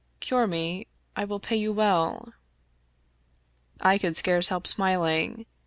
Cure me — I will pay you well." I could scarce help smiling.